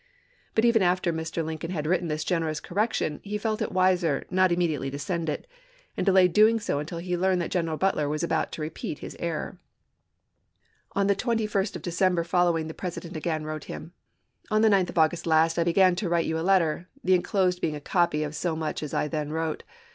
But even after Mr. Lincoln had written this generous correction he felt it wiser not imme diately to send it, and delayed doing so until he learned that General Butler was about to repeat 1864 his error. On the 21st of December following the President again wrote him: On the 9th of August last I began to write you a letter, the inclosed being a copy of so much as I then wrote.